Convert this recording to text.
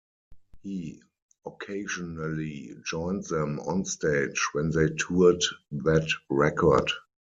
He occasionally joined them on stage when they toured that record.